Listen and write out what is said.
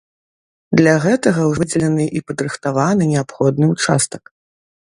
Для гэтага ўжо выдзелены і падрыхтаваны неабходны ўчастак.